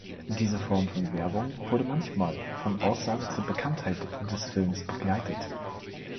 Diese Form von Werbung wurde manchmal von Aussagen zur Bekanntheit des Films begleitet.